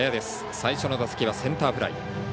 最初の打席はセンターフライ。